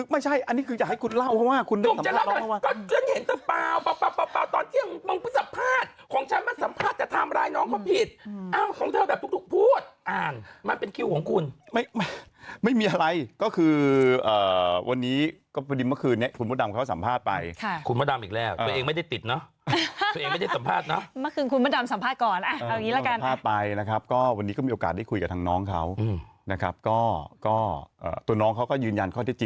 บทจะจบจบแล้วแล้วโยนมาอย่างนี้